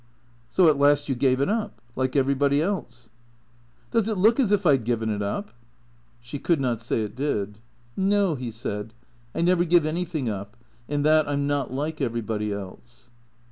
" So at last you gave it up ? Like everybody else." " Docs it look as if 1 'd given it up? " THECEEATORS 143 She could not say it did. " No/' he said. " I never give anything up. In that I 'm not like everybody else."